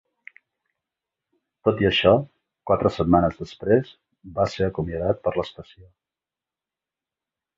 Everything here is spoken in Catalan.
Tot i això, quatre setmanes després va ser acomiadat per l'estació.